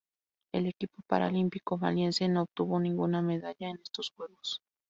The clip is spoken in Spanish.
El equipo paralímpico maliense no obtuvo ninguna medalla en estos Juegos.